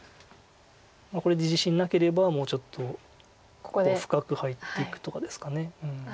これで自信なければもうちょっと深く入っていくとかですか。